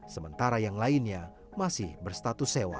sementara yang lainnya masih berstatus sewa